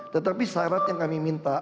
tetapi syarat yang kami minta